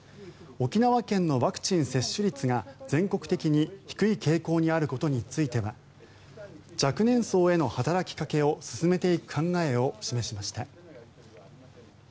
沖縄県のワクチン接種率が全国的に低い傾向にあることについては若年層への働きかけを進めていく考えを示しました。